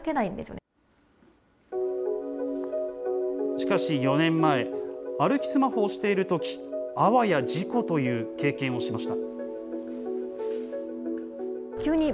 しかし４年前、歩きスマホをしているとき、あわや事故という経験をしました。